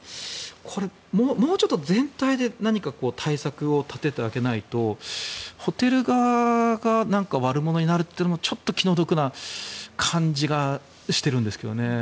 これ、もうちょっと全体で何か対策を立ててあげないとホテル側が悪者になるというのもちょっと気の毒な感じがしてるんですけどね。